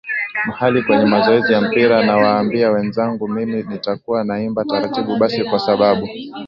mahali kwenye mazoezi ya mpira nawaambia wenzangu mimi nitakuwa naimba taarabu Basi kwa sababu